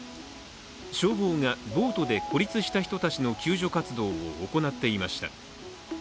消防がボートで孤立した人たちの救助活動を行っていました。